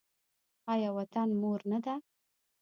آیا وطن مور نه ده؟